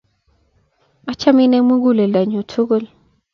Achamin eng' muguleldanyun tukul.